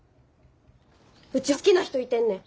うち好きな人いてんねん。